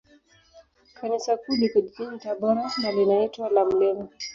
Kanisa Kuu liko jijini Tabora, na linaitwa la Mt.